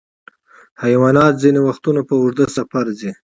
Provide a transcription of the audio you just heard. حیوانات ځینې وختونه په اوږده سفر ځي.